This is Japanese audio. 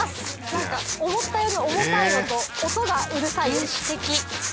何か思ったより重たいのと音がうるさいです。